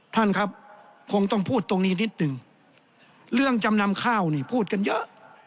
ท่านครับคงต้องพูดตรงนี้นิดหนึ่งเรื่องจำนำข้าวนี่พูดกันเยอะ